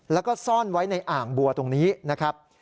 แล้วก็ซ่อนไว้ในอ่างบัวตรงนี้นะครับ